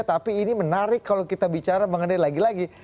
tapi ini menarik kalau kita bicara mengenai lagi lagi